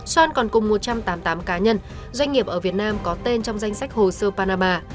xoan còn cùng một trăm tám mươi tám cá nhân doanh nghiệp ở việt nam có tên trong danh sách hồ sơ panama